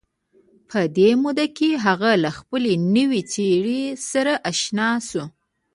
په دې موده کې هغه له خپلې نوې څېرې سره اشنا شو